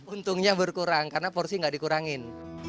untungnya berkurang karena porsi gak dikurangin